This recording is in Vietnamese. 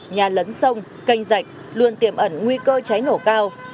nhà lấn sông canh rạch luôn tiềm ẩn nguy cơ cháy nổ cao